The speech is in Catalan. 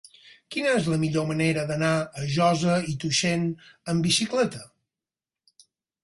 Quina és la millor manera d'anar a Josa i Tuixén amb bicicleta?